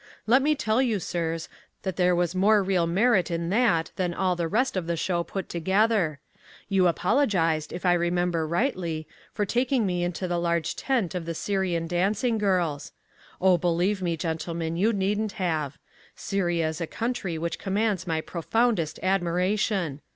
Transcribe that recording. Let me tell you, sirs, that there was more real merit in that than all the rest of the show put together. You apologized, if I remember rightly, for taking me into the large tent of the Syrian Dancing Girls. Oh, believe me, gentlemen, you needn't have. Syria is a country which commands my profoundest admiration.